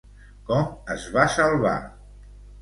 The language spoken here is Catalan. Com es va salvar?